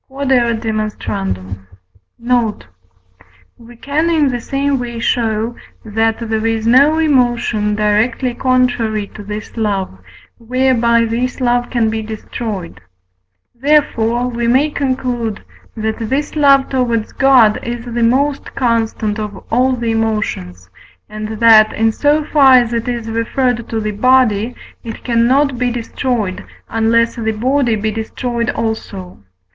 Q.E.D. Note. We can in the same way show, that there is no emotion directly contrary to this love, whereby this love can be destroyed; therefore we may conclude, that this love towards God is the most constant of all the emotions, and that, in so far as it is referred to the body, it cannot be destroyed, unless the body be destroyed also.